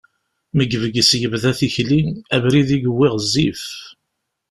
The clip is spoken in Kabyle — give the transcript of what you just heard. Mi yebges yebda tikli, abrid i yewwi ɣezzif.